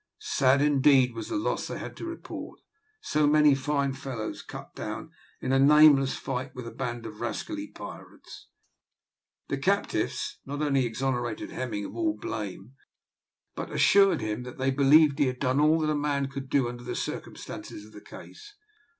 Sad indeed was the loss they had to report so many fine fellows cut down in a nameless fight with a band of rascally pirates. The captives not only exonerated Hemming of all blame, but assured him that they believed he had done all that a man could do under the circumstances of the case.